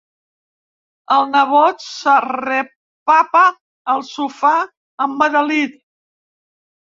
El nebot s'arrepapa al sofà, embadalit.